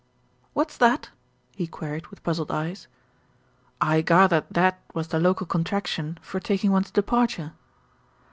"What's that?" he queried with puzzled eyes. "I gathered that was the local contraction for tak ing one's departure."